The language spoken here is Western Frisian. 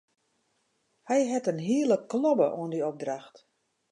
Hy hat in hiele klobbe oan dy opdracht.